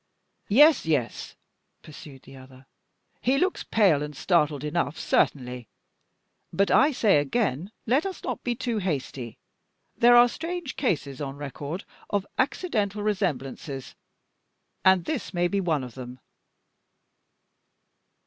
"Yes, yes," pursued the other; "he looks pale and startled enough, certainly. But I say again, let us not be too hasty; there are strange cases on record of accidental resemblances, and this may be one of them!"